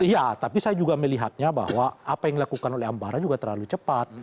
iya tapi saya juga melihatnya bahwa apa yang dilakukan oleh ambara juga terlalu cepat